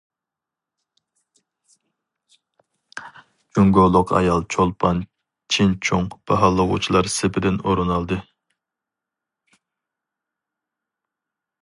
جۇڭگولۇق ئايال چولپان چىن چۇڭ باھالىغۇچىلار سېپىدىن ئورۇن ئالدى.